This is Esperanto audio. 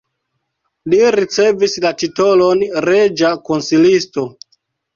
Li ricevis la titolon reĝa konsilisto.